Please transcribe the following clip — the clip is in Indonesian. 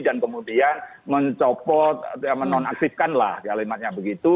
dan kemudian mencopot menonaktifkan lah kalimatnya begitu